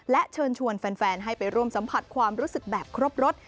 และเชิญชวนแฟนให้ไปร่วมสัมผัสความรู้สึกแบบครบรส